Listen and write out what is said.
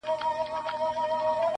• له یوه لاسه تر بل پوري رسیږي -